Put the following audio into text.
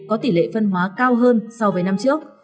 có tỷ lệ phân hóa cao hơn so với năm trước